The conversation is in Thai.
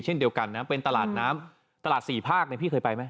เช่นเดียวกันนะเป็นตลาดน้ำตลาดสี่ภาคเนี่ยพี่เคยไปไหม